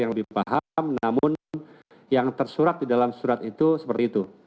yang lebih paham namun yang tersurat di dalam surat itu seperti itu